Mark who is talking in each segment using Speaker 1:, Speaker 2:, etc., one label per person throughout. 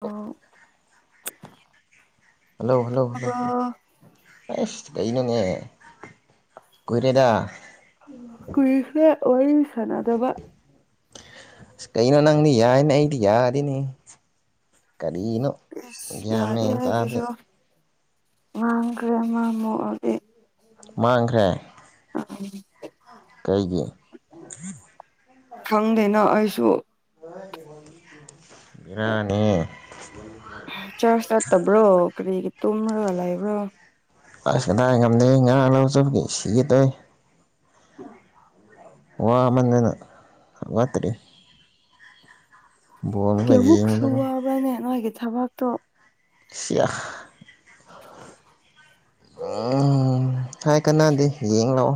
Speaker 1: ꯇꯥꯕ꯭ꯔꯣ
Speaker 2: hello hello hello ꯑꯁ ꯀꯩꯅꯣꯅꯦ ꯀꯨꯏꯔꯦꯗ
Speaker 1: ꯀꯨꯢꯔꯦꯍꯦ ꯋꯥꯔꯤ ꯁꯥꯟꯅꯗꯕ
Speaker 2: ꯑꯁ ꯀꯩꯅꯣ ꯅꯪꯗꯤ ꯌꯥꯏꯅꯦ ꯑꯩꯗꯤ ꯌꯥꯗꯦꯅꯦ ꯀꯔꯤꯅꯣ
Speaker 1: ꯏꯁ
Speaker 2: ꯒ꯭ꯌꯥꯟ
Speaker 1: ꯌꯥꯗꯦ
Speaker 2: ꯃꯦꯟ ꯇꯥꯗꯦ
Speaker 1: ꯑꯩꯒꯤꯁꯨ ꯃꯥꯡꯈ꯭ꯔꯦ ꯑꯃ ꯑꯃꯨꯛ [inaudible]
Speaker 2: ꯃꯥꯡꯈ꯭ꯔꯦ
Speaker 1: ꯎꯝ
Speaker 2: ꯀꯩꯒꯤ
Speaker 1: ꯈꯪꯗꯦꯅ ꯑꯩꯁꯨ
Speaker 2: ꯕꯦꯔꯥꯅꯦ
Speaker 1: ꯆꯔꯁ ꯆꯠꯇꯕ꯭ꯔꯣ ꯀꯔꯤꯒꯤ ꯇꯨꯝꯃꯒ ꯂꯩꯕ꯭ꯔꯣ
Speaker 2: ꯑꯁ ꯀꯗꯥꯏ ꯉꯝꯗꯦ ꯉꯔꯥꯡ ꯂꯧ ꯆꯠꯄꯒꯤ ꯁꯤꯒꯦ ꯇꯧꯏ ꯋꯥꯃꯟꯗꯅ ꯍꯧꯒꯠꯇꯔꯦ ꯑꯃꯨꯛꯀ
Speaker 1: ꯀꯌꯥꯃꯨꯛꯁꯨ
Speaker 2: ꯌꯦꯡꯕꯗꯀꯣ
Speaker 1: ꯋꯥꯕ꯭ꯔꯅꯦ ꯅꯣꯏꯒꯤ ꯊꯕꯛꯇꯣ
Speaker 2: ꯁꯤꯌꯥꯍ ꯑꯥ ꯍꯥꯏ ꯀꯅꯥꯗꯦ ꯌꯦꯡ ꯂꯥꯛꯑꯣ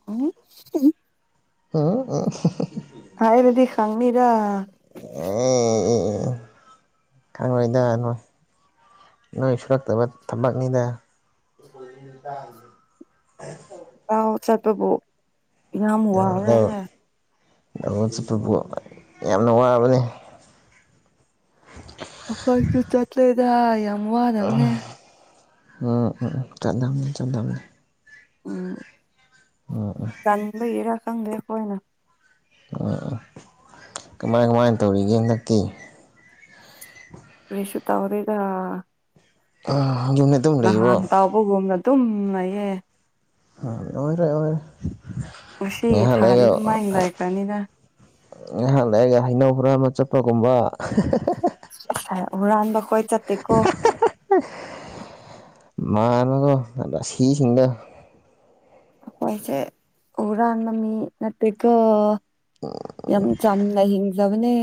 Speaker 1: [unintelligible]
Speaker 2: [unintelligible]
Speaker 1: ꯍꯥꯏꯔꯗꯤ ꯈꯪꯅꯤꯗ
Speaker 2: ꯈꯪꯂꯣꯢꯗ ꯅꯣꯏ ꯅꯣꯏ ꯁꯨꯔꯛꯇꯕ ꯊꯕꯛꯅꯤꯗ [unintelligible]
Speaker 1: ꯂꯧ ꯆꯠꯄꯕꯨ ꯌꯥꯝ
Speaker 2: ꯑꯗꯣ
Speaker 1: ꯋꯥꯕ꯭ꯔꯥꯅꯦ
Speaker 2: ꯂꯧꯕꯨꯛ ꯆꯠꯄꯕꯨ ꯌꯥꯝꯅ ꯋꯥꯕꯅꯦ
Speaker 1: ꯑꯩꯈꯣꯏꯁꯨ ꯆꯠꯂꯦ [unintelligible]
Speaker 2: ꯑꯥ ꯎꯝ ꯎꯝ ꯆꯠꯂꯝꯅꯤ ꯆꯠꯂꯝꯅꯤ
Speaker 1: ꯎꯝ ꯇꯟꯕꯒꯤꯔꯥ ꯈꯪꯗꯦ ꯑꯩꯈꯣꯏꯅ
Speaker 2: ꯎꯝ ꯀꯨꯃꯥꯏ ꯀꯨꯃꯥꯏꯅ ꯇꯧꯔꯤꯒꯦ ꯍꯟꯗꯛꯇꯤ
Speaker 1: ꯀꯔꯤꯁꯨ ꯇꯧꯗꯦꯗ
Speaker 2: ꯑꯥ ꯑꯗꯨꯅꯦ
Speaker 1: ꯅꯍꯥꯟ ꯇꯧꯕꯒꯨꯝꯅ ꯑꯗꯨꯝ ꯂꯩꯌꯦ
Speaker 2: [unintelligible]
Speaker 1: ꯀꯨꯝꯁꯤ
Speaker 2: ꯉꯥꯏꯍꯥꯛ
Speaker 1: ꯊꯥꯗꯤ
Speaker 2: ꯂꯩꯔꯒ
Speaker 1: ꯗꯨꯝꯃꯥꯏꯅ ꯂꯥꯩꯈ꯭ꯔꯅꯤꯗ
Speaker 2: ꯉꯥꯏꯍꯥꯛ ꯂꯩꯔꯒ ꯍꯩꯅꯧ ꯍꯨꯔꯥꯟꯕ ꯆꯠꯄꯒꯨꯝꯕ
Speaker 1: ꯉꯥꯁꯥꯢ ꯍꯨꯔꯥꯟꯕ ꯑꯩꯈꯣꯢ ꯆꯠꯇꯦꯀꯣ
Speaker 2: ꯍꯥ ꯍꯥ ꯃꯥꯜꯂꯦꯀꯣ ꯔꯥꯁꯤꯁꯤꯡꯗꯣ
Speaker 1: ꯑꯩꯈꯣꯏꯁꯦ ꯍꯨꯔꯥꯟꯕ ꯃꯤ ꯅꯠꯇꯦꯀꯣ ꯌꯥꯝ ꯆꯝꯅ ꯍꯤꯡꯖꯕꯅꯦ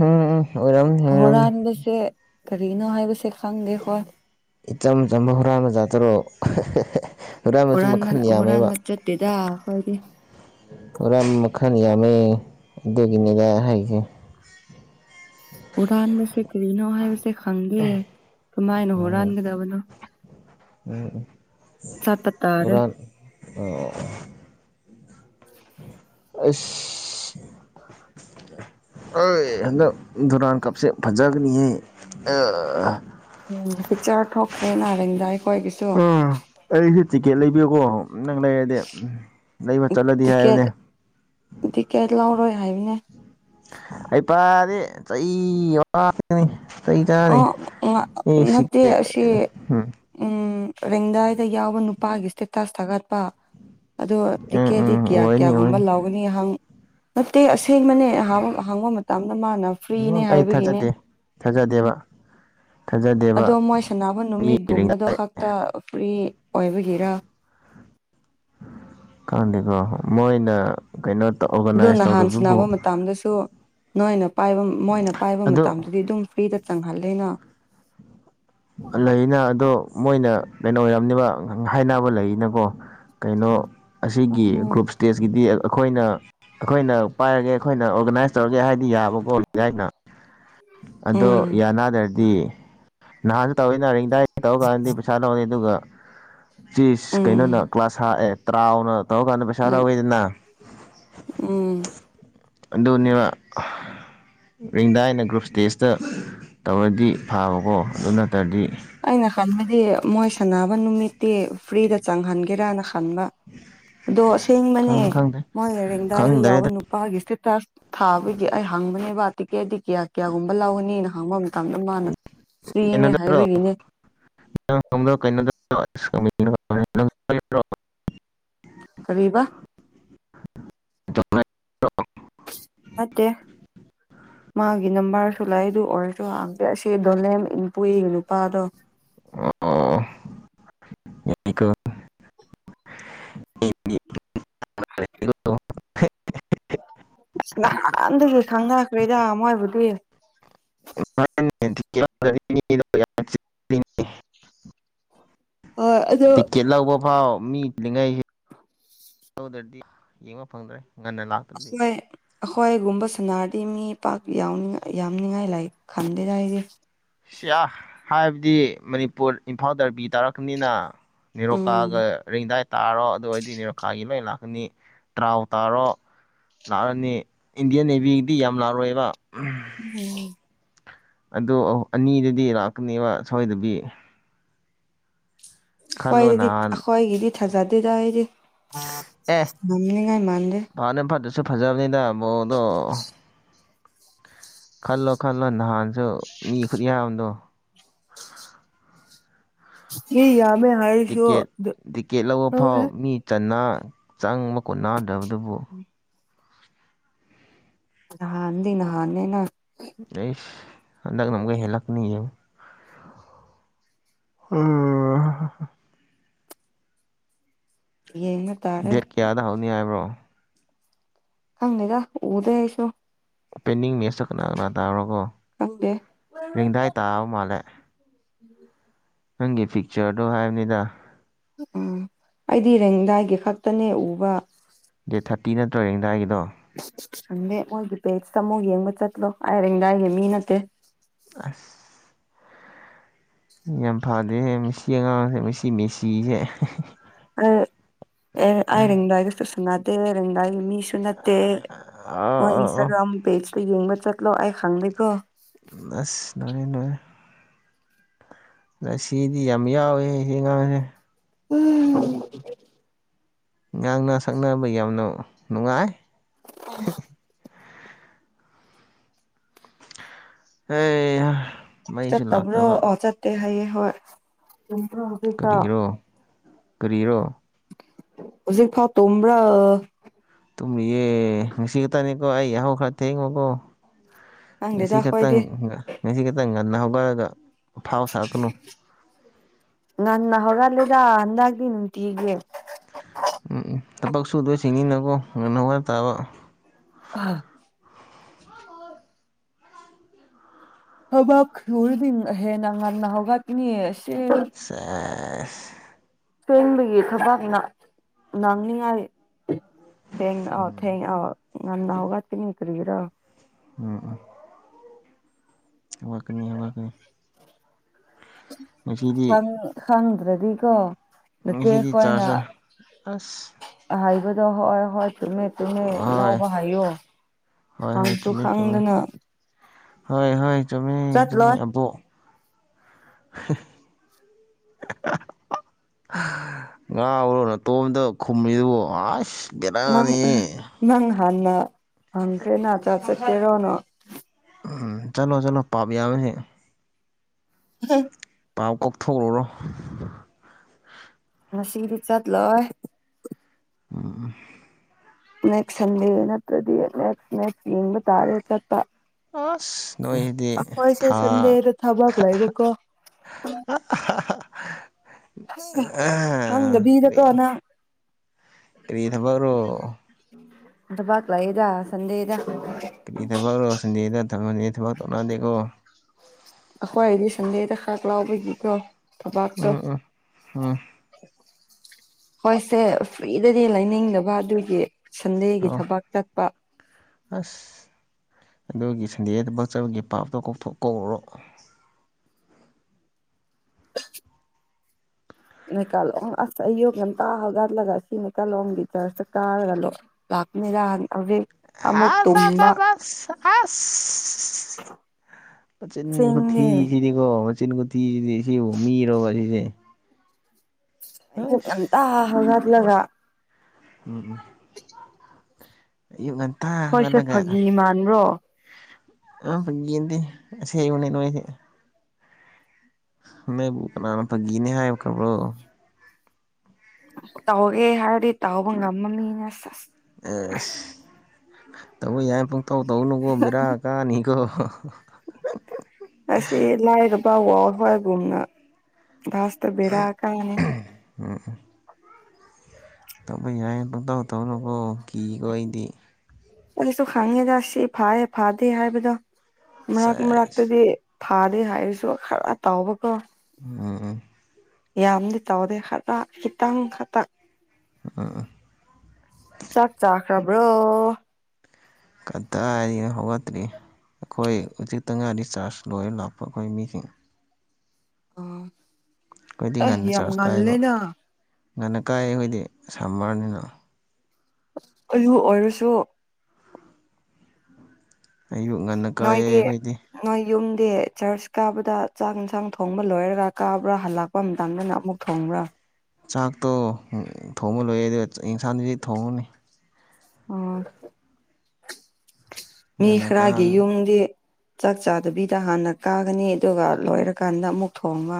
Speaker 2: ꯎꯝ ꯑꯣꯏꯔꯝꯅꯤ ꯑꯣꯏꯔꯝꯅꯤ
Speaker 1: ꯍꯨꯔꯥꯟꯕ ꯍꯥꯏꯕꯁꯦ ꯀꯔꯤꯅꯣ ꯍꯥꯢꯕ ꯈꯪꯗꯦ ꯑꯩꯈꯣꯢ
Speaker 2: ꯏꯆꯝ ꯆꯝꯕ ꯍꯨꯔꯥꯟꯕ ꯖꯥꯠꯇꯨꯔꯣ ꯍꯨꯔꯥꯟꯕꯁꯨ
Speaker 1: ꯍꯨꯔꯥꯟꯕ
Speaker 2: ꯃꯈꯜ ꯌꯥꯝꯃꯦꯕ
Speaker 1: ꯍꯨꯔꯥꯟꯕ ꯆꯠꯇꯦꯗ ꯑꯩꯈꯣꯏꯗꯤ
Speaker 2: ꯍꯨꯔꯥꯟꯕ ꯃꯈꯜ ꯌꯥꯝꯃꯦ ꯑꯗꯨꯒꯤꯅꯤꯗ ꯍꯥꯏꯁꯦ
Speaker 1: ꯍꯨꯔꯥꯟꯕꯁꯦ ꯀꯔꯤꯅꯣ ꯍꯥꯏꯕꯁꯦ ꯈꯪꯗꯦ ꯀꯃꯥꯏꯅ ꯍꯨꯔꯥꯟꯒꯗꯕꯅꯣ
Speaker 2: ꯎꯝ ꯎꯝ
Speaker 1: ꯁꯠꯇ ꯆꯔ
Speaker 2: ꯑꯣ ꯑꯁ ꯑ ꯍꯟꯗꯛ ꯗꯨꯔꯥꯟ ꯀꯞꯁꯦ ꯐꯖꯒꯅꯤ ꯍꯥꯏ ꯑ
Speaker 1: ꯎꯝ ꯄꯤꯛꯆꯔ ꯊꯣꯛꯈ꯭ꯔꯦ ꯅꯥꯔꯦꯟꯗ ꯑꯩꯈꯣꯏꯒꯤꯁꯨ
Speaker 2: ꯑꯩꯁꯨꯦ ꯇꯤꯛꯀꯦꯠ ꯂꯩꯕꯤꯌꯨꯀꯣ ꯅꯪ ꯂꯩꯔꯗꯤ ꯂꯩꯕ ꯆꯠꯂꯗꯤ
Speaker 1: ꯇꯤꯀꯦꯠ
Speaker 2: ꯍꯥꯏꯕꯅꯦ
Speaker 1: ꯇꯤꯀꯦꯠ ꯂꯧꯔꯣꯏ ꯍꯥꯏꯕꯅꯦ
Speaker 2: ꯍꯩꯄ ꯗꯤ ꯑꯩ ꯆꯩ ꯆꯥꯅꯤ
Speaker 1: ꯑꯣ ꯅꯠꯇꯦ ꯑꯁꯤ
Speaker 2: [unintelligible]
Speaker 1: ꯎꯝ ꯔꯦꯡꯗꯥꯏꯗ ꯌꯥꯎꯕ ꯅꯨꯄꯥꯒꯤ ꯏꯁꯇꯦꯇꯁ ꯊꯥꯒꯠꯄ ꯑꯣ
Speaker 2: ꯎꯝ
Speaker 1: ꯇꯤꯀꯦꯗꯤ
Speaker 2: ꯎꯝ
Speaker 1: ꯀꯌꯥ
Speaker 2: ꯑꯣꯏꯅꯤ
Speaker 1: ꯀꯌꯥꯒꯨꯝꯕ
Speaker 2: ꯑꯣꯏꯅꯤ
Speaker 1: ꯂꯥꯎ ꯅꯠꯇꯦ ꯑꯁꯦꯡꯕꯅꯦ ꯍꯥꯡꯕ ꯃꯇꯝꯗ ꯃꯥꯅ ꯐ꯭ꯔꯤꯅꯦ
Speaker 2: ꯎꯝ ꯑꯩ
Speaker 1: ꯍꯥꯏꯕꯒꯤꯅꯦ
Speaker 2: ꯊꯥꯖꯗꯦ ꯊꯥꯖꯗꯦꯕ
Speaker 1: ꯑꯗꯣ
Speaker 2: ꯊꯥꯖꯗꯦꯕ
Speaker 1: ꯃꯣꯏ ꯁꯅꯕ
Speaker 2: ꯃꯤ
Speaker 1: ꯅꯨꯃꯤꯠꯀꯨꯝꯕꯗꯣ ꯈꯛꯇ ꯐ꯭ꯔꯤ ꯑꯣꯏꯕꯒꯤꯔ
Speaker 2: ꯀꯥꯟꯗꯤ ꯀꯣ ꯃꯣꯏꯅ ꯀꯩꯅꯣ ꯇ
Speaker 1: ꯑꯗꯨ ꯅꯍꯥꯟ ꯁꯟꯅꯕ ꯃꯇꯝꯗꯁꯨ ꯅꯣꯏꯅ ꯄꯥꯏꯕ ꯃꯣꯏꯅ ꯄꯥꯏꯕ
Speaker 2: ꯑꯗꯨ
Speaker 1: ꯃꯇꯝꯗꯨꯗꯤ ꯑꯗꯨꯝ ꯐ꯭ꯔꯤꯗ ꯆꯪꯍꯜꯜꯂꯤꯩꯅꯥ
Speaker 2: ꯂꯩꯅ ꯑꯗꯣ ꯃꯣꯏꯅ ꯀꯩꯅꯣ [unintelligible] ꯍꯥꯏꯅꯕ ꯂꯩꯅꯀꯣ ꯀꯩꯅꯣ ꯑꯁꯤꯒꯤ
Speaker 1: ꯎꯝ
Speaker 2: ꯒ꯭ꯔꯨꯞꯁ ꯏꯁꯇꯦꯖꯀꯤꯗꯤ ꯑꯩꯈꯣꯏꯅ ꯑꯩꯈꯣꯏꯅ ꯄꯥꯏꯔꯒꯦ ꯑꯩꯈꯣꯏꯅ ꯑꯣꯔꯒꯅꯥꯏꯁ ꯇꯧꯔꯒꯦ ꯍꯥꯏꯗꯤ ꯌꯥꯕꯀꯣ ꯌꯥꯏꯅ ꯑꯗꯣ
Speaker 1: ꯎꯝ
Speaker 2: ꯌꯥꯅꯗ꯭ꯔꯗꯤ ꯅꯍꯥꯟꯁꯨ ꯇꯧꯋꯤ ꯔꯤꯡꯗꯥꯏ ꯇꯧꯔ ꯀꯥꯟꯗꯗꯤ ꯄꯩꯁꯥ ꯂꯧꯅꯤ ꯑꯗꯨꯒ ꯆ ꯀꯩꯅꯣꯅ
Speaker 1: ꯎꯝ
Speaker 2: ꯀ꯭ꯂꯥꯁ ꯍꯥꯑꯦ ꯇꯔꯥꯎꯅ ꯇꯧꯔꯀꯥꯟꯗ ꯄꯩꯁꯥ ꯂꯧꯋꯦꯗꯅ
Speaker 1: ꯎꯝ
Speaker 2: ꯑꯗꯨꯅꯦꯕ ꯔꯤꯡꯗꯥꯏꯅ ꯒ꯭ꯔꯨꯞ ꯇꯦꯁꯇ ꯇꯧꯔꯗꯤ ꯐꯥꯕꯀꯣ ꯑꯗꯨ ꯅꯠꯇ꯭ꯔꯗꯤ
Speaker 1: ꯑꯩꯅ ꯈꯟꯕꯗꯤ ꯃꯣꯏ ꯁꯥꯟꯅꯕ ꯅꯨꯃꯤꯠꯇꯤ ꯐ꯭ꯔꯤꯗ ꯆꯪꯍꯟꯒꯦꯔꯥꯅ ꯈꯟꯕ ꯑꯗꯣ ꯑꯁꯦꯡꯕꯅꯦ
Speaker 2: ꯈꯪ ꯈꯪꯗꯦ
Speaker 1: ꯃꯣꯏꯒꯤ ꯔꯦꯡꯗꯥꯏꯗ ꯌꯥꯎꯕ
Speaker 2: ꯈꯪꯗ꯭ꯔꯦꯗ
Speaker 1: ꯅꯨꯞ ꯄꯥꯒꯤ ꯏꯁꯇꯦꯇꯥꯁ ꯊꯥꯕꯒꯤ ꯑꯩ ꯍꯪꯕꯅꯦꯕ ꯇꯤꯀꯦꯠꯗꯤ ꯀꯌꯥ ꯀꯌꯥꯒꯨꯝꯕ ꯂꯧꯒꯅꯤꯅ ꯍꯡꯕ ꯃꯇꯝꯗ ꯃꯥꯅ ꯐ꯭ꯔꯤꯅꯦ ꯍꯥꯏꯕꯒꯤꯅꯦ
Speaker 2: [unintelligible]
Speaker 1: ꯀꯔꯤꯕ ꯅꯠꯇꯦ ꯃꯥꯒꯤ ꯅꯝꯕꯔꯁꯨ ꯂꯩ ꯑꯗꯨ ꯑꯣꯏꯔꯁꯨ ꯍꯡꯗꯦ ꯑꯁꯤ ꯗꯣꯂꯦꯝ ꯏꯟꯄꯨꯏ ꯅꯨꯄꯥꯗꯣ [inaudible]
Speaker 2: [unintelligible]
Speaker 1: [inaudible] ꯅꯍꯥꯟꯗꯒꯤ ꯈꯪꯅꯈ꯭ꯔꯦꯗ ꯃꯣꯏꯕꯨꯗꯤ
Speaker 2: [unintelligible]
Speaker 1: ꯍꯣꯏ ꯑꯗꯣ
Speaker 2: ꯇꯤꯛ ꯀꯦꯠ ꯂꯧꯕ ꯐꯥꯎ ꯃꯤ ꯆꯤꯂꯤꯉꯩꯁꯤ ꯂꯧꯗ꯭ꯔꯗꯤ ꯌꯦꯡꯕ ꯐꯪꯗ꯭ꯔꯦ ꯉꯟꯅ ꯂꯥꯛ
Speaker 1: ꯍꯣꯏ ꯑꯈꯣꯏꯒꯨꯝꯕ ꯁꯅꯥꯔꯗꯤ ꯃꯤ ꯄꯥꯛ ꯌꯥꯎꯅꯤꯡ ꯌꯥꯝꯅꯤꯡꯉꯥꯏ ꯂꯩ ꯈꯟꯗꯦꯗ ꯑꯩꯗꯤ
Speaker 2: ꯁꯤ ꯑ ꯍꯥꯏꯕꯗꯤ ꯃꯅꯤꯄꯨꯔ ꯏꯝꯐꯥꯜ ꯗꯔꯕꯤ ꯇꯥꯔꯛꯀꯅꯤꯅ
Speaker 1: ꯎꯝ
Speaker 2: ꯅꯤꯔꯣꯀꯥꯒ ꯔꯤꯡꯗꯥꯏ ꯇꯥꯔꯣ ꯑꯗꯨ ꯑꯣꯏꯔꯗꯤ ꯅꯦꯔꯣꯀꯥꯒꯤ ꯂꯣꯏ ꯂꯥꯛꯀꯅꯤ ꯇ꯭ꯔꯥꯎ ꯇꯥꯔꯣ ꯂꯥꯛꯑꯅꯤ ꯏꯟꯗꯤꯌꯥꯟ ꯅꯦꯚꯤꯒꯤꯗꯤ ꯌꯥꯝ ꯂꯥꯛꯔꯣꯏꯕ ꯎꯝ
Speaker 1: [unintelligible]
Speaker 2: ꯑꯗꯨ ꯑꯅꯤꯗꯨꯗꯤ ꯂꯥꯛꯀꯅꯦꯕ ꯁꯣꯏꯗꯕꯤ ꯈꯜꯂꯣ
Speaker 1: ꯑꯩꯈꯣꯏꯗꯗꯤ
Speaker 2: ꯅꯍꯥꯟ
Speaker 1: ꯑꯩꯈꯣꯏꯒꯤꯗꯤ ꯊꯥꯖꯗꯦꯗ ꯑꯩꯗꯤ ꯉꯝꯅꯤꯉꯥꯏ ꯃꯥꯟꯗꯦ
Speaker 2: [unintelligible] ꯐꯥꯠꯇ꯭ꯔꯁꯨ ꯐꯖꯥꯕꯅꯤꯗ ꯃꯑꯣꯡꯗꯣ ꯈꯜꯂꯣ ꯈꯜꯂꯣ ꯅꯍꯥꯟꯁꯨ ꯃꯤ ꯈꯨꯠꯌꯥꯝꯗꯣ
Speaker 1: ꯃꯤ ꯌꯥꯝꯃꯦ ꯍꯥꯏ
Speaker 2: ꯇꯤꯛꯀꯦꯠ ꯇꯤꯛꯀꯦꯠ ꯂꯧꯕ ꯐꯥꯎ ꯃꯤ ꯆꯟꯅꯥ ꯆꯪꯕ ꯀꯣꯟꯅꯗꯕꯗꯨꯕꯨ
Speaker 1: ꯎꯝ ꯅꯍꯥꯟꯗꯤ ꯅꯍꯥꯟꯅꯦ ꯅꯪ
Speaker 2: ꯑꯩꯁ ꯍꯟꯗꯛꯅ ꯑꯃꯨꯛ ꯍꯦꯜꯂꯛꯀꯅꯤ ꯌꯦꯡꯉꯣ [unintelligible]
Speaker 1: ꯌꯦꯡꯔꯛ
Speaker 2: ꯗꯦꯠ ꯀꯌꯥꯗ ꯍꯧꯅꯤ ꯍꯥꯏꯕ꯭ꯔꯣ
Speaker 1: ꯈꯪꯗꯦꯗ ꯎꯗꯦ ꯑꯩꯁꯨ
Speaker 2: ꯑꯣꯄꯦꯟꯅꯤꯡ ꯃꯦꯆꯇꯣ ꯀꯅꯥ ꯀꯅꯥ ꯇꯥꯕ꯭ꯔꯀꯣ
Speaker 1: ꯈꯪꯗꯦ
Speaker 2: ꯔꯦꯡꯗꯥꯏ ꯇꯥꯕ ꯃꯥꯜꯂꯦ
Speaker 1: [inaudible]
Speaker 2: ꯅꯪꯒꯤ ꯐꯤꯛꯆꯔꯗꯣ ꯍꯥꯏꯕꯅꯤꯗ
Speaker 1: ꯎꯝ ꯑꯩꯗꯤ ꯔꯦꯡꯗꯥꯏꯒꯤ ꯈꯛꯇꯅꯦ ꯎꯕ
Speaker 2: ꯗꯦꯠ ꯊꯥꯔꯇꯤ ꯅꯠꯇ꯭ꯔꯣ ꯔꯦꯡꯗꯥꯏꯒꯤꯗꯣ
Speaker 1: ꯈꯪꯗꯦ ꯃꯣꯏꯒꯤ ꯄꯦꯖꯇ ꯑꯃꯨꯛ ꯌꯦꯡꯕ ꯆꯠꯂꯣ ꯑꯩ ꯔꯦꯡꯗꯥꯏꯒꯤ ꯃꯤ ꯅꯠꯇꯦ
Speaker 2: ꯑꯁ ꯌꯥꯝ ꯐꯥꯗꯦꯍꯦ ꯃꯁꯤ ꯑꯉꯥꯡꯁꯦ ꯃꯁꯤ ꯃꯦꯁꯤꯁꯦ
Speaker 1: ꯑꯩ ꯑꯦ ꯑꯩ ꯔꯦꯡꯗꯥꯏꯗꯁꯨ ꯁꯅꯥꯗꯦ ꯔꯦꯡꯗꯥꯏꯒꯤ ꯃꯤꯁꯨ ꯅꯠ ꯇꯦ
Speaker 2: ꯑꯥ
Speaker 1: ꯃꯣꯏ
Speaker 2: ꯑꯥ ꯑꯥ
Speaker 1: ꯏꯟꯁꯇꯥꯒ꯭ꯔꯥꯝ ꯄꯦꯖꯇ ꯌꯦꯡꯕ ꯆꯠꯂꯣ ꯑꯩ ꯈꯪꯗꯦꯀꯣ
Speaker 2: ꯑꯁ ꯅꯣꯡꯅꯦ ꯅꯣꯏ ꯔꯁꯤꯗꯤ ꯌꯥꯝ ꯌꯥꯎꯋꯦꯍꯦ ꯁꯤ ꯑꯉꯥꯡꯁꯦ
Speaker 1: ꯎꯝ
Speaker 2: ꯉꯥꯡꯅ ꯁꯛꯅꯕ ꯌꯥꯝꯅ ꯅꯨꯡꯉꯥꯏ ꯑꯩꯍꯥ
Speaker 1: ꯇꯠꯇꯕ꯭ꯔꯣ ꯑꯣ ꯆꯥꯠꯇꯦ ꯍꯥꯏꯌꯦ ꯍꯣꯏ ꯆꯨꯝꯕꯔꯣ
Speaker 2: ꯀꯔꯤꯒꯤꯔꯣ ꯀꯔꯤꯔꯣ
Speaker 1: ꯍꯧꯖꯤꯛ ꯐꯥꯎ ꯇꯣꯝꯕꯔ
Speaker 2: ꯇꯨꯝꯃꯤꯌꯦ ꯉꯁꯤꯈꯛꯇꯅꯤ ꯀꯣ ꯑꯩ ꯌꯥꯍꯧ ꯈꯔ ꯊꯦꯡꯕꯀꯣ ꯉꯁꯤ
Speaker 1: ꯈꯪꯗꯦꯗ
Speaker 2: ꯈꯛꯇꯪ
Speaker 1: ꯑꯈꯣꯏꯗꯤ
Speaker 2: ꯉꯁꯤ ꯈꯛꯇꯪ ꯉꯟꯅ ꯍꯧꯒꯠꯔꯒ
Speaker 1: ꯉꯟꯅ ꯍꯧꯒꯠꯂꯦꯗ ꯍꯟꯗꯛꯇꯤ ꯅꯨꯡꯇꯤꯒꯤ
Speaker 2: ꯎꯝ ꯎꯝ ꯊꯕꯛ ꯁꯨꯗꯨꯏ ꯁꯤꯡꯅꯤꯅꯀꯣ ꯉꯟꯅ ꯍꯧꯒꯠ ꯇꯥꯕ
Speaker 1: [unintelligible] ꯊꯕꯛ ꯁꯨꯔꯗꯤ ꯍꯦꯟꯅ ꯉꯟꯅ ꯍꯧꯒꯠꯀꯅꯤ ꯑꯁꯤ
Speaker 2: ꯁꯦꯁ
Speaker 1: ꯊꯦꯡꯕꯒꯤ ꯊꯥꯕꯛꯅ ꯅꯪꯅꯤꯡꯉꯥꯏ ꯊꯦꯡ ꯑ ꯊꯦꯡ ꯑ ꯉꯟꯅ ꯍꯧꯒꯄꯅꯤ ꯀꯔꯤꯔꯣ
Speaker 2: ꯎꯝ ꯎꯝ ꯍꯧꯒꯠꯀꯅꯤ ꯍꯧꯒꯠꯀꯅꯤ ꯉꯁꯤꯗꯤ
Speaker 1: ꯈꯪ ꯈꯪꯗ꯭ꯔꯗꯤꯀꯣ ꯅꯆꯦ
Speaker 2: ꯉꯁꯤꯗꯤ
Speaker 1: ꯈꯣꯏꯅ
Speaker 2: ꯆꯥꯖꯔ ꯑꯁ
Speaker 1: ꯍꯥꯏꯕꯗꯣ ꯍꯣꯏ ꯍꯣꯏ ꯆꯨꯝꯃꯦ ꯆꯨꯝꯃꯦ
Speaker 2: ꯍꯣꯏ
Speaker 1: ꯂꯥꯎꯕ ꯍꯥꯏꯌꯣ ꯈꯪꯁꯨ ꯈꯥꯡꯗꯅ
Speaker 2: ꯍꯣꯏ ꯍꯣꯏ ꯆꯨꯝꯃꯦ ꯆꯨꯝꯃꯦ
Speaker 1: ꯆꯠꯂꯣꯏ
Speaker 2: ꯑꯕꯣꯛ [unintelligible] ꯉꯥꯎꯔꯣ ꯅꯇꯣꯝꯇ ꯈꯨꯝꯔꯤꯗꯨꯕꯨ ꯑꯁ
Speaker 1: ꯅꯪ
Speaker 2: ꯕꯦꯔꯥꯅꯤꯍꯦ
Speaker 1: ꯅꯪ ꯍꯥꯟꯅ ꯍꯪꯈ꯭ꯔꯦꯅ ꯑꯆꯥ ꯆꯠꯀꯦꯔꯣꯅꯣ
Speaker 2: ꯎꯝ ꯆꯠꯂꯣ ꯆꯠꯂꯣ ꯄꯥꯕ ꯌꯥꯎꯋꯦꯍꯦ
Speaker 1: [unintelligible]
Speaker 2: ꯄꯥꯞ ꯀꯣꯛꯊꯣꯛꯂꯨꯔꯣ
Speaker 1: ꯉꯁꯤꯗꯤ ꯆꯠꯂꯣꯏ
Speaker 2: ꯎꯝ
Speaker 1: ꯅꯦꯛꯁ ꯁꯟꯗꯦ ꯅꯠꯇ꯭ꯔꯗꯤ ꯅꯦꯛꯁ ꯅꯦꯛꯁ ꯌꯦꯡꯕ ꯇꯥꯔꯦ ꯆꯠꯄ
Speaker 2: ꯑꯁ ꯅꯣꯏꯗꯤ
Speaker 1: ꯑꯩꯈꯣꯏꯁꯦ
Speaker 2: ꯊꯥ
Speaker 1: ꯁꯟꯗꯦꯗ ꯊꯕꯛ ꯂꯩꯕꯀꯣ
Speaker 2: ꯀꯔꯤ
Speaker 1: ꯈꯪꯗꯕꯤꯗꯀꯣ ꯅꯪ
Speaker 2: ꯀꯔꯤ ꯊꯕꯛꯔꯣ
Speaker 1: ꯗꯕꯥꯥꯛꯂꯩꯗ ꯁꯟꯗꯦꯗ
Speaker 2: ꯀꯔꯤ ꯊꯕꯛꯔꯣ ꯁꯟꯗꯦꯗ ꯊꯛꯅꯤ ꯊꯕꯛ ꯇꯧꯅꯗꯦꯀꯣ
Speaker 1: ꯑꯩꯈꫭꯏꯗꯤ ꯁꯟꯗꯦꯗ ꯈꯥꯛ ꯂꯥꯎꯕꯒꯤꯀꯣ ꯊꯕꯥꯛꯇꯣ
Speaker 2: ꯎꯝ ꯎꯝ ꯎꯝ
Speaker 1: ꯍꯣꯏꯁꯦ ꯐ꯭ꯔꯤꯗꯗꯤ ꯂꯩꯅꯤꯡꯗꯕ ꯑꯗꯨꯒꯤ ꯁꯟꯗꯦꯒꯤ
Speaker 2: ꯑꯣ
Speaker 1: ꯊꯕꯛ ꯆꯠꯄ
Speaker 2: ꯑꯁ ꯑꯗꯨꯒꯤ ꯁꯟꯗꯦꯗ ꯊꯕꯛ ꯆꯕꯒꯤ ꯄꯥꯞꯇꯣ ꯀꯣꯛꯊꯣꯛ ꯀꯣꯛꯎꯔꯣ
Speaker 1: ꯅꯩꯀꯥꯂꯣꯝ ꯑꯁ ꯑꯌꯨꯛ ꯉꯟꯇꯥ ꯍꯧꯒꯠꯂꯒ ꯁꯤ ꯅꯩꯀꯥꯂꯣꯝꯒꯤ ꯆꯔꯆꯇ ꯀꯥꯔꯒ ꯂꯣ ꯂꯥꯛꯄꯤꯅꯤꯗ ꯑꯚꯤ
Speaker 2: ꯑꯁ ꯑꯁ ꯑꯁ ꯑꯁ ꯑꯁ ꯃꯆꯤꯟ
Speaker 1: ꯁꯦꯡꯅꯦ
Speaker 2: ꯀꯨꯊꯤꯁꯤꯗꯤꯀꯣ ꯃꯆꯤꯟ ꯀꯊꯤꯁꯤꯗꯤ ꯁꯤꯕꯨ ꯃꯤꯔꯣꯔꯕ ꯑꯁꯤꯁꯦ
Speaker 1: ꯑꯌꯨꯛ ꯉꯥꯟꯇ ꯍꯧꯒꯠꯂꯒ
Speaker 2: ꯎꯝ ꯎꯝ ꯑꯌꯨꯛ ꯉꯥꯟꯇ
Speaker 1: ꯈꯣꯏꯁꯦ ꯐꯥꯒꯤ ꯃꯥꯟꯕ꯭ꯔꯣ
Speaker 2: ꯑ ꯐꯒꯤ ꯅꯠꯇꯦ ꯑꯁꯦꯡꯕꯅꯦ ꯅꯣꯏꯁꯦ ꯅꯣꯏꯕꯨ ꯀꯅꯥꯅ ꯐꯥꯒꯤꯅꯦ ꯍꯥꯏꯈꯔꯕ꯭ꯔꯣ
Speaker 1: ꯇꯧꯒꯦ ꯍꯥꯏꯔꯗꯤ ꯇꯧꯎꯕ ꯉꯝꯕ ꯃꯤꯅꯦ ꯁꯦꯁ
Speaker 2: ꯑꯦꯁ ꯇꯧꯕ ꯌꯥꯏ ꯄꯨꯡꯇꯧ ꯇꯧꯅꯨꯀꯣ ꯕꯦꯔꯥ ꯀꯥꯅꯤꯀꯣ
Speaker 1: ꯑꯁꯤ ꯂꯥꯏꯔꯕ ꯋꯥ꯭ꯔꯜꯗ ꯍꯣꯏꯒꯨꯝꯅ ꯂꯥꯁꯇ ꯕꯤꯔꯥ ꯀꯥꯏꯍꯦ
Speaker 2: ꯎꯝ ꯇꯧꯕ ꯌꯥꯏꯅ ꯄꯡꯇꯧ ꯇꯧꯅꯨꯀꯣ ꯀꯤꯀꯣ ꯑꯩꯗꯤ
Speaker 1: ꯑꯩꯁꯨ ꯈꯪꯉꯦꯗ ꯁꯤ ꯐꯥꯏꯌꯦ ꯐꯥꯗꯦ ꯍꯥꯏꯕꯗꯣ ꯝꯔꯛ
Speaker 2: ꯁꯦꯁ
Speaker 1: ꯃꯥꯔꯛꯇꯗꯤ ꯐꯗꯦ ꯍꯥꯏꯔꯁꯨ ꯈꯔ ꯇꯧꯕꯀꯣ
Speaker 2: ꯎꯝ
Speaker 1: ꯌꯥꯝꯗꯤ ꯇꯧꯗꯦ ꯈꯔ ꯈꯤꯇꯪ ꯈꯛꯇꯪ
Speaker 2: ꯑꯡ ꯑꯡ
Speaker 1: ꯆꯥꯛ ꯆꯥꯈ꯭ꯔꯕ꯭ꯔꯣ
Speaker 2: ꯀꯗꯥꯏꯅꯣ ꯍꯧꯒꯠꯇ꯭ꯔꯤ ꯑꯩꯈꯣꯏ ꯍꯧꯖꯤꯛꯇ ꯉꯥꯏꯔꯤ ꯆꯥꯔ꯭ꯖ ꯂꯣꯏꯔ ꯂꯥꯛꯄ ꯑꯩꯈꯣꯏ ꯃꯤꯁꯤꯡ
Speaker 1: ꯑ
Speaker 2: ꯑꯩꯈꯣꯏꯗꯤ
Speaker 1: ꯑꯦ ꯌꯥꯝ ꯉꯜꯂꯦꯅ
Speaker 2: ꯉꯅ ꯀꯥꯏꯌꯦ ꯑꯩꯈꯣꯏꯗꯤ ꯁꯝꯃꯔꯅꯤꯅ
Speaker 1: ꯑꯗꯨ ꯑꯣꯏꯔꯁꯨ
Speaker 2: ꯑꯌꯨꯛ ꯉꯟꯅ ꯀꯥꯏꯑꯦ
Speaker 1: ꯅꯣꯏꯗꯤ
Speaker 2: ꯑꯩꯈꯣꯏꯗꯤ
Speaker 1: ꯅꯣꯏ ꯌꯨꯝꯗꯤ ꯆꯔ꯭ꯆ ꯀꯥꯕꯗ ꯆꯥꯛ ꯍꯦꯟꯁꯥꯡ ꯊꯣꯡꯕ ꯂꯣꯏꯔꯒ ꯀꯥꯕ꯭ꯔꯥ ꯍꯜꯂꯛ [unintelligible] ꯇꯟꯕꯅ ꯑꯃꯨꯛ ꯊꯣꯡꯕ꯭ꯔꯥ
Speaker 2: ꯆꯥꯛꯇꯣ ꯊꯣꯡꯕ ꯂꯣꯏꯌꯦ ꯑꯗꯣ ꯌꯦꯟꯁꯥꯡꯗꯨꯗꯤ ꯊꯣꯡꯉꯨꯅꯤ
Speaker 1: ꯑꯣ ꯃꯤ
Speaker 2: ꯉꯟꯅ ꯀꯥ
Speaker 1: ꯈꯔꯒꯤ ꯌꯨꯝꯗꯤ ꯆꯥꯛ ꯆꯥꯗꯕꯤꯗ ꯍꯥꯟꯅ ꯀꯥꯒꯅꯤ ꯑꯗꯨꯒ ꯂꯣꯏꯔꯀꯥꯟꯗ ꯑꯃꯨꯛ ꯊꯣꯡꯕ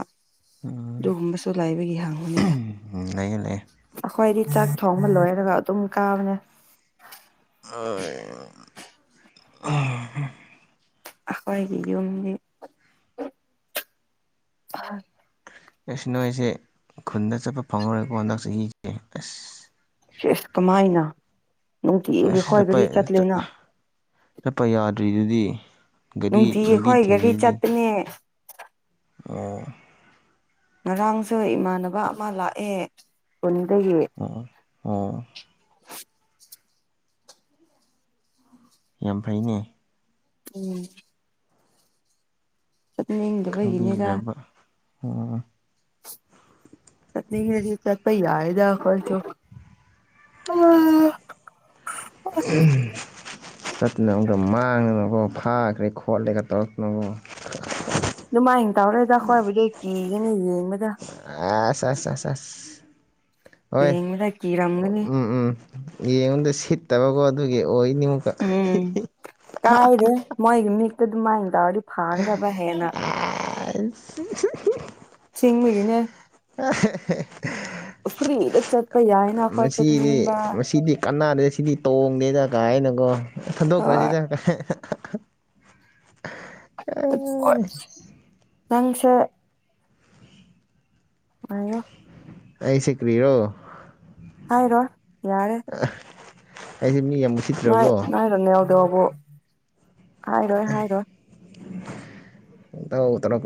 Speaker 1: ꯑꯗꯨꯒꯨꯝꯕꯁꯨ ꯂꯩꯕꯒꯤ ꯍꯪꯕꯅꯤꯗ
Speaker 2: ꯂꯩꯌꯦ ꯂꯩꯌꯦ
Speaker 1: ꯑꯩꯈꯣꯏꯗꯤ ꯆꯥꯛ ꯊꯣꯡꯕ ꯂꯣꯏꯔꯒ ꯑꯗꯨꯝ ꯀꯥꯕꯅꯦ
Speaker 2: ꯑ [unintelligible]
Speaker 1: ꯑꯈꯣꯏꯒꯤ ꯌꯨꯝꯗꯤ
Speaker 2: ꯑꯩꯁ ꯅꯣꯏꯁꯦ ꯈꯨꯟꯗ ꯆꯠꯄ ꯐꯪꯉꯥꯔꯣꯏꯀꯣ ꯍꯟꯗꯛ ꯆꯍꯤ ꯑꯦ ꯑꯁ
Speaker 1: ꯁꯤꯁ ꯀꯃꯥꯏꯅ ꯅꯨꯡꯇꯤꯒꯤ
Speaker 2: ꯑꯁ
Speaker 1: ꯑꯩꯈꯣꯏ
Speaker 2: ꯆꯠꯄ
Speaker 1: ꯒꯥꯔꯤ ꯆꯠꯂꯦꯅ
Speaker 2: ꯆꯠꯄ ꯌꯥꯗ꯭ꯔꯤꯗꯨꯗꯤ ꯒꯥꯔꯤ
Speaker 1: ꯅꯨꯡꯇꯤꯒꯤ
Speaker 2: ꯂꯝꯕꯤ
Speaker 1: ꯈꯣꯏ ꯒꯥꯔꯤ
Speaker 2: ꯊꯤꯡꯉꯤꯗꯨꯗꯤ
Speaker 1: ꯆꯠꯄꯅꯦ
Speaker 2: ꯑꯣ
Speaker 1: ꯉꯔꯥꯡꯁꯨ ꯏꯃꯥꯟꯅꯕ ꯑꯃ ꯂꯥꯛꯑꯦ ꯈꯨꯟꯗꯒꯤ
Speaker 2: ꯑꯥ ꯑꯥ
Speaker 1: [inaudible]
Speaker 2: ꯌꯥꯝ ꯐꯩꯅꯦ
Speaker 1: ꯎꯝ ꯆꯠꯅꯤꯡꯗꯦ
Speaker 2: ꯈꯪꯕꯤꯔꯕ ꯎꯝ ꯫
Speaker 1: ꯆꯠꯅꯤꯡꯉꯗꯤ ꯆꯠꯄ ꯌꯥꯏꯌꯦꯗꯥ ꯑꯩꯈꯣꯏꯁꯨ
Speaker 2: ꯎꯝ ꯆꯠꯇꯅꯕ ꯑꯃꯨꯛꯀ ꯃꯥꯡꯗꯅꯕꯣ ꯐꯥꯈ꯭ꯔꯦ ꯈꯣꯠꯂꯦꯒ ꯇꯧꯔꯛꯇꯅꯀꯣ
Speaker 1: ꯗꯨꯃꯥꯏꯟ ꯇꯧꯔꯦꯗ ꯈꯣꯏꯕꯨꯗꯤ ꯀꯤꯒꯅꯤ ꯌꯦꯡꯕꯗ
Speaker 2: ꯑꯁ-ꯑꯁ-ꯑꯁ-ꯑꯁ ꯍꯣꯏ
Speaker 1: ꯌꯦꯡꯕꯗ ꯀꯤꯔꯝꯒꯅꯤ
Speaker 2: ꯎꯝ-ꯎꯝ ꯌꯦꯡꯕꯗ ꯁꯤꯠꯇꯕꯀꯣ ꯑꯗꯨꯒꯤ ꯑꯣꯏꯅꯤꯃꯨꯛꯀꯥ
Speaker 1: ꯎꯝ ꯀꯥꯏꯗꯦ ꯃꯣꯏꯒꯤ ꯃꯤꯠꯇ ꯑꯗꯨꯃꯥꯏ ꯇꯧꯔꯗꯤ ꯐꯒꯗꯕ ꯍꯦꯟꯅ꯫
Speaker 2: ꯑꯥꯏꯁ
Speaker 1: ꯁꯤꯡꯕꯒꯤꯅꯦ
Speaker 2: ꯑ
Speaker 1: ꯐ꯭ꯔꯤꯗ ꯆꯠꯄ ꯌꯥꯏꯅ ꯑꯩꯈꯣꯏ
Speaker 2: ꯃꯁꯤꯗꯤ
Speaker 1: ꯆꯠꯅꯤꯡꯕ꯫
Speaker 2: ꯃꯁꯤꯗꯤ ꯀꯅꯥꯗꯦ ꯁꯤꯗꯤ ꯇꯣꯡꯗꯦꯗ ꯀꯥꯏꯅꯒꯣ ꯊꯗꯣꯛꯈꯔ꯭ꯁꯤꯗꯥ ꯀꯥꯏ
Speaker 1: ꯅꯪꯁꯦ ꯑꯥꯌꯣ
Speaker 2: ꯑꯩꯁꯦ ꯀꯔꯤꯔꯣ꯫
Speaker 1: ꯍꯥꯏꯔꯣꯏ ꯌꯥꯔꯦ
Speaker 2: ꯑꯩꯁꯤ ꯃꯤ ꯌꯥꯝꯎ
Speaker 1: ꯅꯣꯏ ꯅꯣꯏꯔꯣꯅꯦꯜꯗꯣꯕꯨ ꯍꯥꯏꯔꯣꯏ ꯍꯥꯏꯔꯣꯏ
Speaker 2: ꯇꯧꯇꯔ꯭